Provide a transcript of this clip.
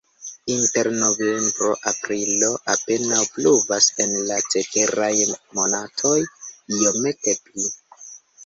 Inter novembro-aprilo apenaŭ pluvas, en la ceteraj monatoj iomete pli.